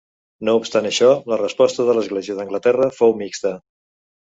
No obstant això, la resposta de l'Església d'Anglaterra fou mixta.